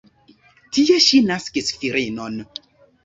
Tie ŝi naskis filinon.